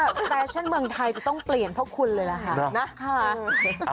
นี่ฉันว่าแฟชั่นเมืองไทยจะต้องเปลี่ยนเพราะคุณเลยล่ะค่ะ